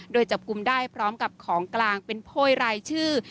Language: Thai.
โดยจับกลุ่มได้พร้อมกับของกลางเป็นโพยรายชื่อ